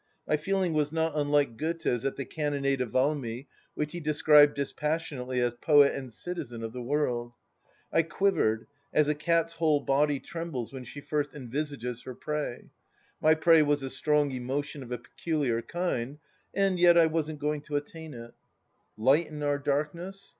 My feeling was not unlike Goethe's at the cannonade of Valmy, which he described dispassionately as poet and citizen of the world. I quivered, as a cat's whole body trembles when she first envisages her prey. My prey was a strong emotion of a peculiar kind, and yet I wasn't going to attain it t " Lighten our darkness